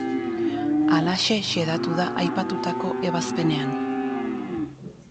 Halaxe xedatu da aipatutako ebazpenean.